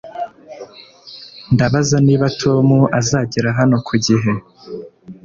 ndabaza niba tom azagera hano ku gihe